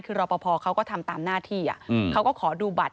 คือรอปภเขาก็ทำตามหน้าที่เขาก็ขอดูบัตร